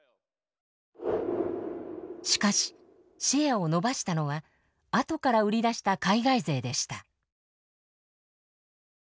しかしシェアを伸ばしたのは後から売り出した海外勢でした。